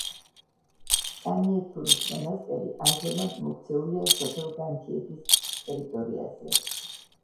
ჭანიეთურის მონასტერი ამჟამად მოქცეულია სოფელ განთიადის ტერიტორიაზე.